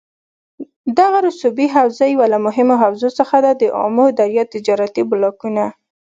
دغه رسوبي حوزه یوه له مهمو حوزو څخه ده دآمو دریا تجارتي بلاکونه